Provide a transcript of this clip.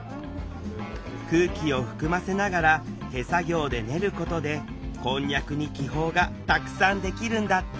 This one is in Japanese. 空気を含ませながら手作業で練ることでこんにゃくに気泡がたくさんできるんだって。